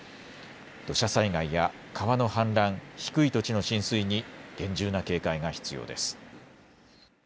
土砂災害や川の氾濫、低い土地の浸水に厳重な警戒が必要です。